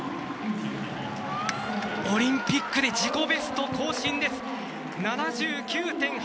オリンピックで自己ベスト更新です！